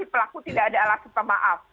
pelaku tidak ada alasan pemaaf